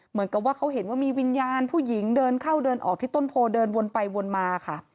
เหมือนกับว่าเขาเห็นว่ามีวิญญาณผู้หญิงเดินเข้าเดินออกที่ต้นโพเดินวนไปวนมาค่ะ